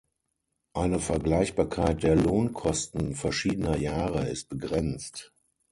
Eine Vergleichbarkeit der Lohnkosten verschiedener Jahre ist begrenzt.